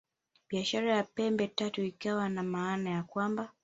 Biashara ya Pembe Tatu ikiwa na maana ya kwamba